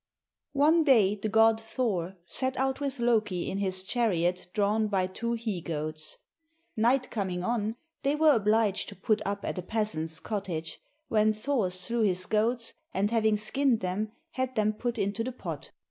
One day the god Thor set out with Loki in his chariot drawn by two he goats. Night coming on they were obliged to put up at a peasant's cottage, when Thor slew his goats, and having skinned them, had them put into the pot.